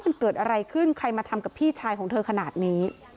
มันเกิดอะไรขึ้นใครมาทำกับพี่ชายของเธอขนาดนี้